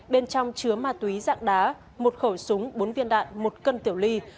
bên trong chứa ma túy dạng đá một khẩu súng bốn viên đạn một cân tiểu ly